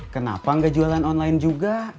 kenapa nggak jualan online juga